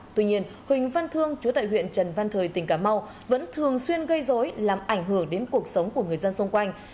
tuy nhiên huỳnh văn thương chú tại huyện trần văn thời tỉnh cà mau vẫn thường xuyên gây dối làm ảnh hưởng đến cuộc sống của người dân xung quanh